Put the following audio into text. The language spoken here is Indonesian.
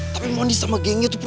tapi mondi sama gengnya tuh